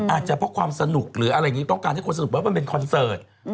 อาจจะเพราะความสนุกหรืออะไรอย่างนี้ต้องการให้คนสนุกว่ามันเป็นคอนเสิร์ต